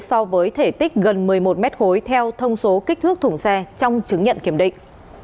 so với thể tích gần một mươi một m khối theo thông số kích thước thùng xe trong chứng nhận kiểm định